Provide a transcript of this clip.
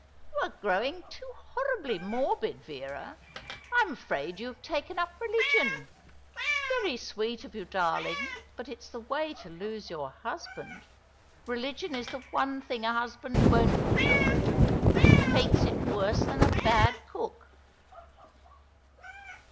"You are growing too horridly morbid, Vera. I am afraid you have taken up religion. It's very sweet of you, darling, but it's the way to lose your husband. Religion is the one thing a husband won't put up with. He hates it worse than a bad cook."